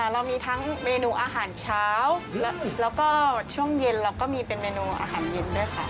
เรามีทั้งเมนูอาหารเช้าแล้วก็ช่วงเย็นเราก็มีเป็นเมนูอาหารเย็นด้วยค่ะ